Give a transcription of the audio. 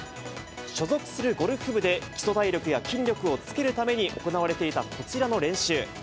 所属するゴルフ部で、基礎体力や筋力をつけるために行われていたこちらの練習。